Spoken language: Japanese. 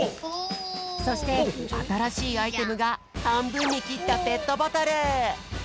そしてあたらしいアイテムがはんぶんにきったペットボトル！